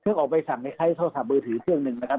ออกใบสั่งใช้โทรศัพท์มือถือเครื่องหนึ่งนะครับ